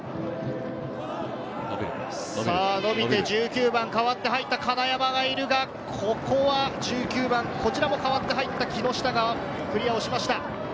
伸びて１９番、代わって入った金山がいるが、ここは１９番、こちらも代わって入った木下がクリアをしました。